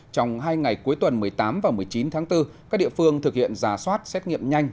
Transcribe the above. trong hai ngày cuối tuần một mươi tám và một mươi chín tháng bốn các địa phương thực hiện giả soát xét nghiệm nhanh